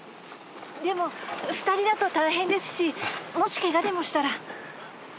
でも２人だと大変ですしもしケガでもしたら。